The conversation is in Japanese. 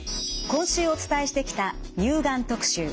今週お伝えしてきた乳がん特集。